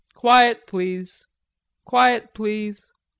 Quiet, please.... Quiet, please."